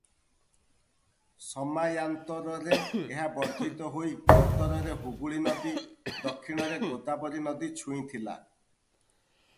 ସମାୟାନ୍ତରରେ ଏହା ବର୍ଦ୍ଧିତ ହୋଇ ଉତ୍ତରରେ ହୁଗୁଳୀନଦୀ, ଦକ୍ଷିଣରେ ଗୋଦାବରୀନଦୀ ଛୁଇଁଥିଲା ।